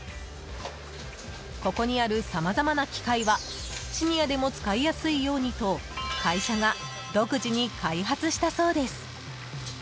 ここにあるさまざまな機械はシニアでも使いやすいようにと会社が独自に開発したそうです。